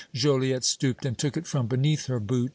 Joliette stooped and took it from beneath her boot.